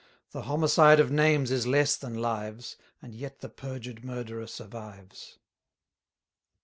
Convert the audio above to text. The homicide of names is less than lives; And yet the perjured murderer survives.